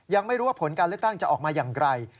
ยังไม่รู้ว่าผลการเลือกตั้งจะออกมาอย่างไร